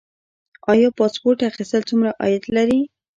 آیا پاسپورت اخیستل څومره عاید لري؟